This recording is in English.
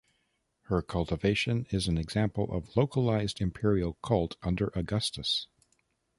Her cultivation is an example of localized Imperial cult under Augustus.